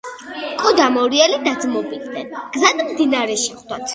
აღმოჩნდა ლითონის იარაღი და სამკაულიც.